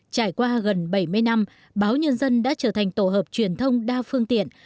trải qua gần bảy mươi năm báo nhân dân đã trở thành tổ hợp truyền thông đa phương tiện